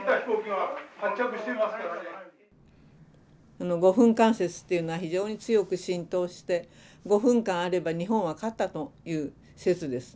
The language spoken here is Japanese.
あの５分間説というのは非常に強く浸透して５分間あれば日本は勝ったという説ですね。